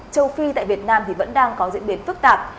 châu phi tại việt nam thì vẫn đang có diễn biến phức tạp